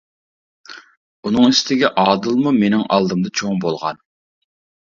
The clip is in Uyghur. ئۇنىڭ ئۈستىگە ئادىلمۇ مىنىڭ ئالدىمدا چوڭ بولغان.